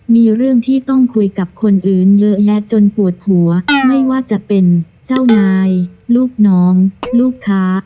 มีเรื่องที่ต้องคุยกับคนอื่นเยอะแยะจนปวดหัวไม่ว่าจะเป็นเจ้านายลูกน้องลูกค้า